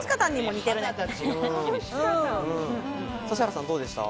指原さんどうでした？